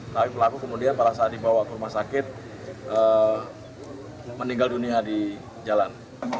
tapi pelaku kemudian pada saat dibawa ke rumah sakit meninggal dunia di jalan